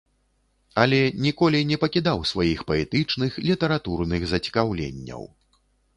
Але ніколі не пакідаў сваіх паэтычных, літаратурных зацікаўленняў.